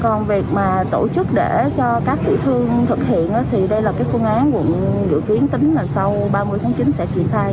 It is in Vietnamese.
còn việc mà tổ chức để cho các tiểu thương thực hiện thì đây là cái phương án quận dự kiến tính là sau ba mươi tháng chín sẽ triển khai